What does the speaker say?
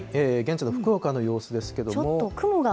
現在の福岡の様子ですけれども。